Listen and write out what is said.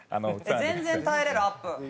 全然耐えれるアップ。